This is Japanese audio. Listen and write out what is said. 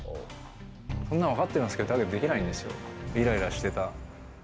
そんなの分かってますけど、だけどできないんですよ、いらいらしてた。